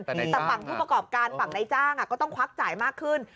แต่ฝั่งผู้ประกอบการฝั่งในจ้างก็ต้องควักจ่ายมากขึ้น